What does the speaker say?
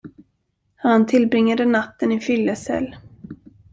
Han tillbringade natten i fyllecell.